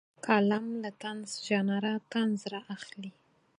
کالم له طنز ژانره طنز رااخلي.